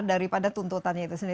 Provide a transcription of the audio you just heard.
daripada tuntutannya itu sendiri